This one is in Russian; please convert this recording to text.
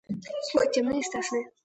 Слухи темны и страшны.